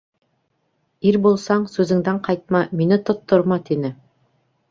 — Ир булсаң, сүзеңдән ҡайтма, мине тотторма, — тине.